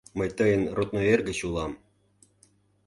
Мый тыйын родной эргыч улам.